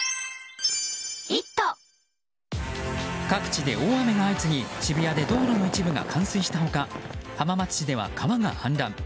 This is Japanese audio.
各地で大雨が相次ぎ渋谷で道路の一部が冠水した他、浜松市では川が氾濫。